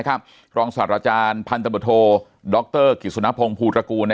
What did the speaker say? ครับรองศาสตร์อาจารย์พันธมโธด็อกเตอร์กิสุนพงษ์ภูตระกูลนะ